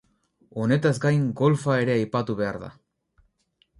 Honetaz gain golfa ere aipatu behar da.